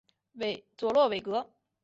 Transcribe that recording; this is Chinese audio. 佐洛韦格。